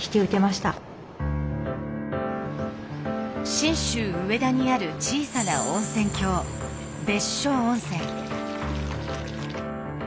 信州上田にある小さな温泉郷別所温泉。